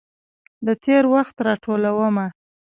د تیروخت راټولومه